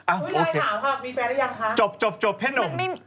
อ้าวโอเคจบจบพี่หนุ่ม